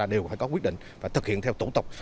đều phải có quyết định và thực hiện theo tổng tục